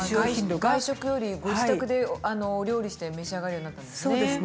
外食よりご自宅でお料理して召し上がるようになったんですね。